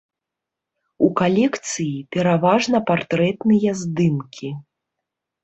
У калекцыі пераважна партрэтныя здымкі.